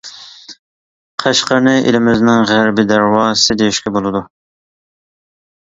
قەشقەرنى ئېلىمىزنىڭ «غەربىي دەرۋازىسى» دېيىشكە بولىدۇ.